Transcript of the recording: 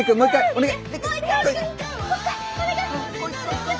お願い！